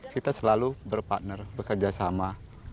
kita selalu berpartner bekerja sama